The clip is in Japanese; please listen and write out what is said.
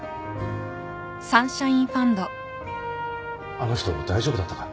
あの人大丈夫だったか？